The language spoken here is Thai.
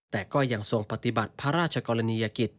แต่ก็ยังทรงปฏิบัติพระราชกรณียกิจ